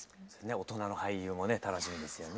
大人の俳優もね楽しみですよね。